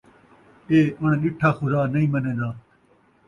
اے اݨ ݙٹھا خدا نئیں منیدا